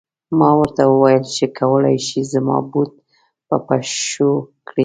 ما ورته و ویل چې کولای شې زما بوټ په پښو کړې.